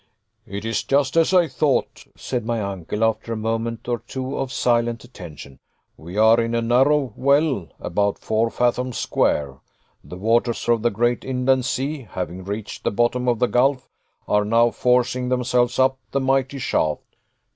"It is just as I thought," said my uncle, after a moment or two of silent attention. "We are in a narrow well about four fathoms square. The waters of the great inland sea, having reached the bottom of the gulf are now forcing themselves up the mighty shaft.